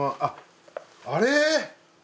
あれ？